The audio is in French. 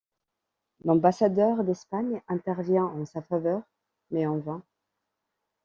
L’ambassadeur d’Espagne intervient en sa faveur mais en vain.